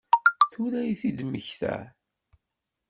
Tura i t-id-temmekta?